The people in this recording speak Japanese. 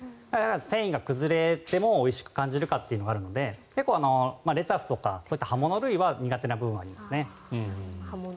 繊維が崩れてもおいしく感じるかというのがあるので結構、レタスとか葉物類は苦手な部分はありますね。